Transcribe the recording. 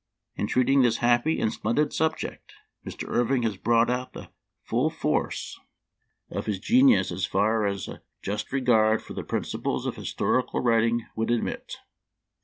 In treating this happy and splendid subject, Mr. Irving has brought out the full force of his 158 Memoir of Washington Irving. genius as far as a just regard for the principles of historical writing would admit."